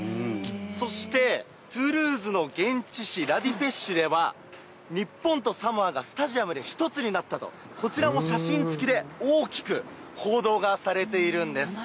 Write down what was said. そしてトゥールーズの現地、ラディペッシュでは、日本とサモアが１つになったと、こちらも写真付きで大きく報道がされているんです。